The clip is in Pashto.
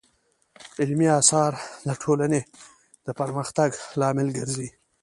علمي اثار د ټولنې د پرمختګ لامل ګرځي.